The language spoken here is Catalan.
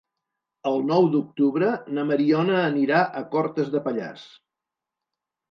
El nou d'octubre na Mariona anirà a Cortes de Pallars.